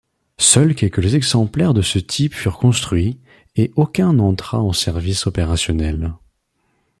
Seuls quelques exemplaires de ce type furent construits, et aucun n’entra en service opérationnel.